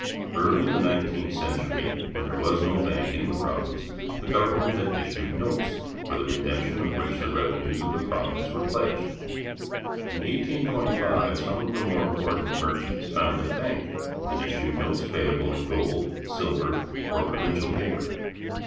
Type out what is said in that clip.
Early in the nineteenth century, when there was no bank in the province, the government had issued notes, for the redemption of which the revenues of the province were pledged. In 1825 some of the more important merchants founded a bank, and issued notes payable in gold, silver, or provincial paper.